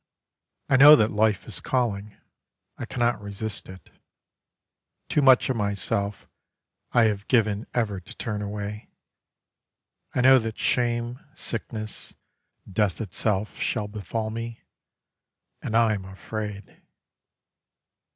I know that life is calling: I cannot resist it: Too much of myself I have given ever to turn away, I know that shame, sickness, death itself shall befall me, And I am afraid.